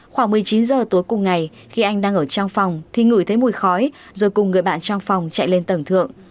khoảng một mươi chín h tối cùng ngày khi anh đang ở trong phòng thì ngửi thấy mùi khói rồi cùng người bạn trong phòng chạy lên tầng thượng